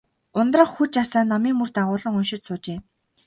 Ундрах хүж асаан, номын мөр дагуулан уншиж суужээ.